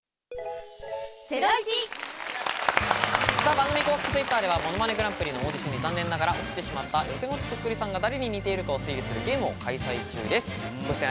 番組公式Ｔｗｉｔｔｅｒでは、『ものまねグランプリ』のオーディションに残念ながら落ちてしまった予選落ちそっくりさんが誰に似ているかを推理するゲームを開催中です。